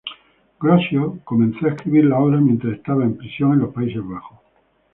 Grocio comenzó a escribir la obra mientras estaba en prisión en los Países Bajos.